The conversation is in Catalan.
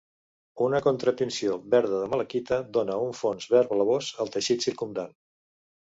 Una contratinció verda de malaquita dona un fons verd blavós al teixit circumdant.